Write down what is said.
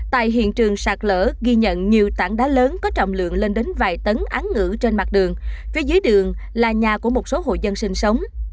tại hiện trường sạt lở ghi nhận nhiều tảng đá lớn có trọng lượng lên đến vài tấn án ngữ trên mặt đường phía dưới đường là nhà của một số hội dân sinh sống